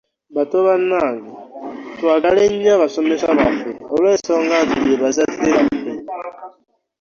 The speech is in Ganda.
Bato bannange twagale nnyo abasomesa baffe, olw’ensonga nti be bazadde baffe.